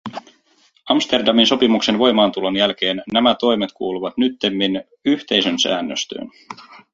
Amsterdamin sopimuksen voimaantulon jälkeen nämä toimet kuuluvat nyttemmin yhteisön säännöstöön.